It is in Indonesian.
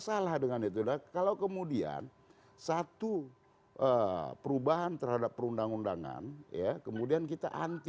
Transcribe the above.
salah dengan itu kalau kemudian satu perubahan terhadap perundang undangan ya kemudian kita anti